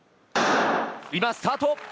今、スタート。